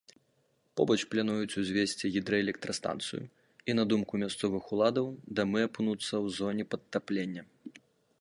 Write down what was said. Побач плануюць узвесці гідраэлектрастанцыю, і на думку мясцовых уладаў, дамы апынуцца ў зоне падтаплення.